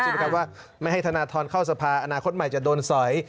ปิศาณาทรเข้าสภาอนาคตใหม่จะโดนสอย